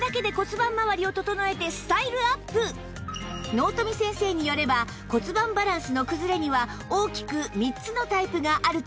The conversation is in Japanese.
納富先生によれば骨盤バランスの崩れには大きく３つのタイプがあるといいます